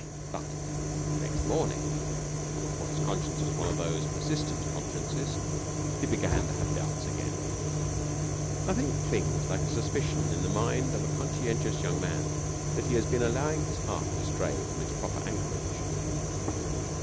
But next morning for his conscience was one of those persistent consciences he began to have doubts again. Nothing clings like a suspicion in the mind of a conscientious young man that he has been allowing his heart to stray from its proper anchorage.